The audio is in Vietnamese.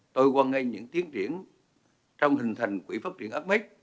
tôi quan ngay những tiến triển trong hình thành quỹ phát triển ames